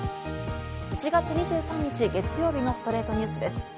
１月２３日、月曜日の『ストレイトニュース』です。